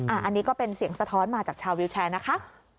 อันนี้ก็เป็นเสียงสะท้อนมาจากชาววิวแชร์นะคะ